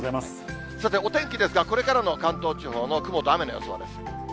さてお天気ですが、これからの関東地方の雲と雨の予想です。